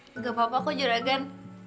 gak apa apa kok juragan